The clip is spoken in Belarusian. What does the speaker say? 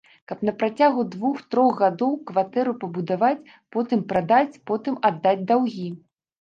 Каб на працягу двух-трох гадоў кватэру дабудаваць, потым прадаць, потым аддаць даўгі.